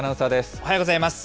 おはようございます。